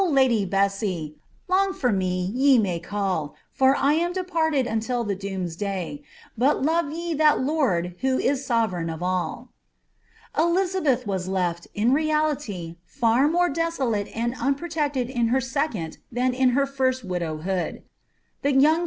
Lady Bessee, long for me ye may call! For I am departed until the doomsday ; But love ye that Lord who is sovereign of all." Elizabeth was leA, in reality, &r more desolate and unprotected in her second than in her first widowhood. The young kin?